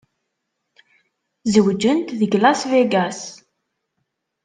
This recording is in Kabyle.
Zewǧent deg Las Vegas.